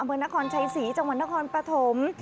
เมืองนครชัยศรีจังหวัดนครปฐม